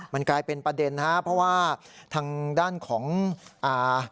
มันกลายเป็นประเด็นฮะเพราะว่าทางด้านของอ่า